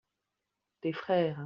tes frères.